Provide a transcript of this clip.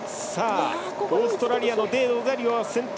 オーストラリアのデロザリオが先頭。